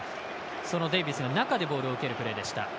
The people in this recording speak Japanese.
そのデイビスが中でゴールを受けるプレーでした。